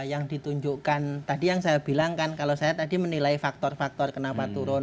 yang ditunjukkan tadi yang saya bilangkan kalau saya tadi menilai faktor faktor kenapa turun